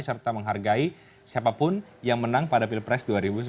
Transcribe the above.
serta menghargai siapapun yang menang pada pilpres dua ribu sembilan belas